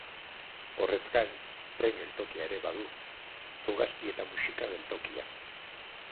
Horrez gain, tren geltokia ere badu, Zugastieta-Muxika geltokia.